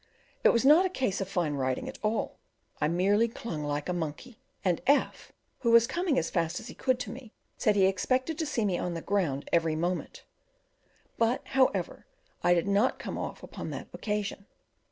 It was not a case of fine riding at all; I merely clung like a monkey, and F , who was coming as fast as he could to me, said he expected to see me on the ground every moment; but, however, I did not come off upon that occasion.